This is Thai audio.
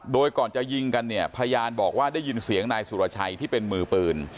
โดยก่อนจะยิงกันเนี่ยพยานบอกว่าได้ยินเสียงนายสุรชัยที่เป็นมือปืน